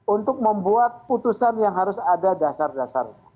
untuk membuat putusan yang harus ada dasar dasar